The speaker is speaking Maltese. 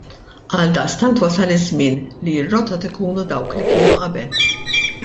Għaldaqstant wasal iż-żmien li r-rotot ikunu dawk li kienu qabel.